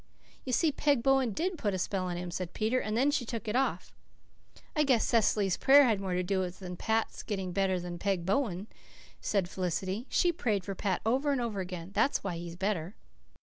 "You see Peg Bowen did put a spell on him," said Peter, "and then she took it off." "I guess Cecily's prayer had more to do with Pat's getting better than Peg Bowen," said Felicity. "She prayed for Pat over and over again. That is why he's better."